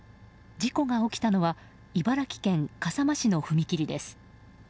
事故が起きたのは茨城県笠間市の踏切です。